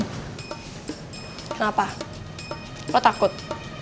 kenapa lo takut